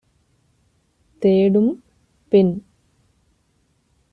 தேடும் - பின்